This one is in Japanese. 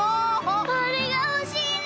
あれがほしいね！